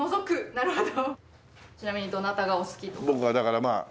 なるほど。